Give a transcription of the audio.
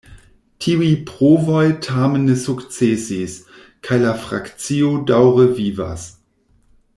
Tiuj provoj tamen ne sukcesis, kaj la frakcio daŭre vivas.